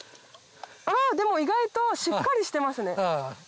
あでも意外としっかりしてますね。